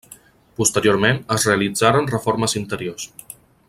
Posteriorment es realitzaren reformes interiors.